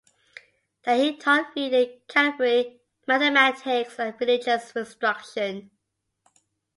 There he taught reading, calligraphy, mathematics and religious instruction.